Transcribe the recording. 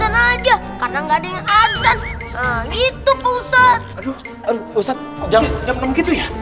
aduh ustadz kok jam enam gitu ya